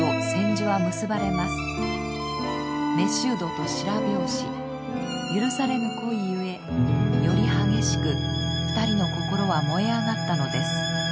囚人と白拍子許されぬ恋ゆえより激しく２人の心は燃え上がったのです。